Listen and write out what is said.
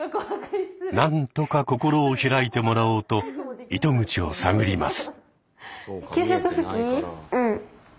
何とか心を開いてもらおうと糸口を探ります。